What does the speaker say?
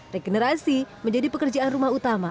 regenerasi menjadi pekerjaan rumah utama